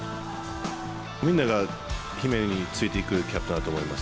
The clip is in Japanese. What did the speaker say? みんなが姫野についていくキャプテンだと思います。